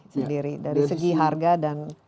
sendiri dari segi harga dan